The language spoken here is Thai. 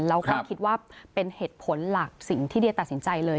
แล้วก็คิดว่าเป็นเหตุผลหลักสิ่งที่เดียตัดสินใจเลย